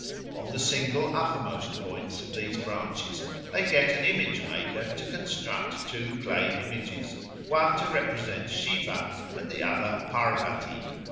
On the single uppermost points of these branches they get an image maker to construct two clay images, one to represent Siva, and the other Pârvatî.